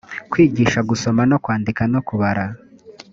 kwigiisha gusoma no kwandika no kubara